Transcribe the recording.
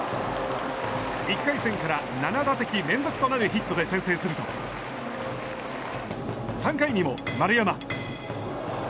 １回戦から７打席連続となるヒットで先制すると３回にも丸山。